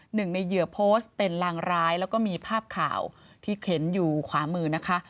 หนึ่งในเหยื่อโพสต์เป็นรางร้ายแล้วก็มีภาพข่าวที่เข็นอยู่ขวามือนะคะ